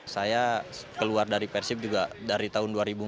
saya keluar dari persib juga dari tahun dua ribu empat belas